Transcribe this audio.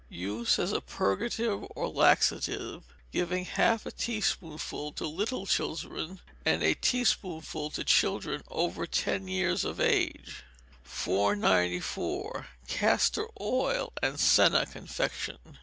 Use as a purgative or laxative, giving half a teaspoonful to little children and a teaspoonful to children over ten years of age. 494. Castor Oil and Senna Confection.